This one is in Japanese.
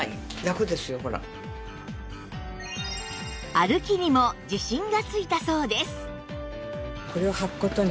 歩きにも自信がついたそうです